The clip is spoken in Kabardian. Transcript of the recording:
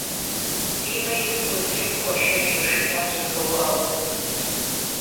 Риммэ ипхъу курытри къыхуашэж машинэ къыжьэхэуауэ.